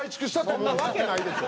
そんなわけないでしょ。